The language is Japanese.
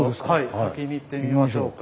先に行ってみましょうか。